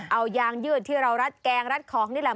เอายางยืดที่เรารัดแกงรัดของนี่แหละ